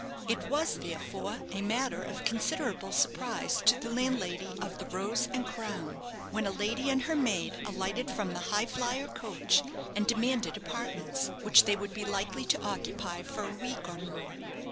It was therefore a matter of considerable surprise to the landlady of the "Rose and Crown," when a lady and her maid alighted from the "Highflyer" coach and demanded apartments, which they would be likely to occupy for a week or more.